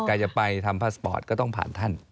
ใครจะไปทำพาสปอร์ตก็ต้องผ่านท่าน